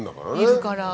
いるから。